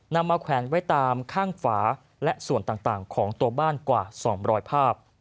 นำมาแขวนไว้ตามข้างฝาและส่วนต่างของตัวบ้านกว่า๒๐๐ภาพ